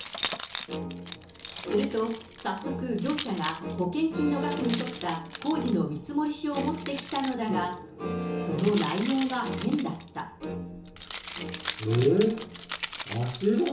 すると、早速業者が保険金の額に沿った工事の見積書を持ってきたのだが、えー？